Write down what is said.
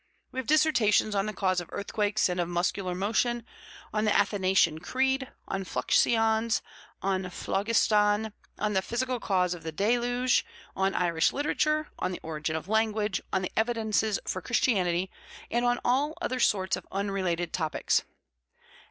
We have dissertations on the cause of earthquakes and of muscular motion, on the Athanasian Creed, on fluxions, on phlogiston, on the physical cause of the Deluge, on Irish literature, on the origin of language, on the evidences for Christianity, and on all other sorts of unrelated topics.